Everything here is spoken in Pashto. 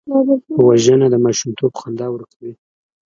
وژنه د ماشومتوب خندا ورکوي